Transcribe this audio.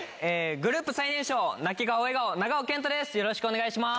グループ最年少、泣き顔笑顔、永尾謙杜です。